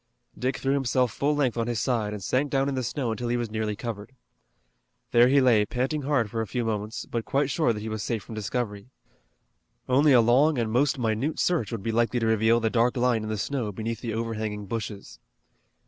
Dick threw himself full length on his side, and sank down in the snow until he was nearly covered. There he lay panting hard for a few moments, but quite sure that he was safe from discovery. Only a long and most minute search would be likely to reveal the dark line in the snow beneath the overhanging bushes.